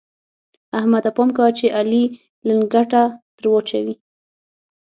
احمده! پام کوه چې علي لېنګته دراچوي.